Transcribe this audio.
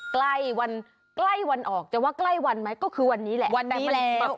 ใกล้วันใกล้วันออกจะว่าใกล้วันไหมก็คือวันนี้แหละวันเต็มแล้ว